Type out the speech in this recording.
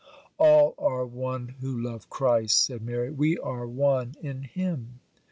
'All are one who love Christ,' said Mary; 'we are one in Him.